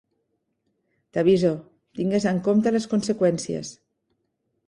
T"aviso, tingues en compte les conseqüències.